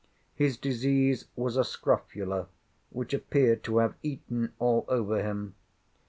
His disease was a scrofula, which appeared to have eaten all over him.